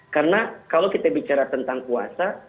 karena kalau kita bicara tentang puasa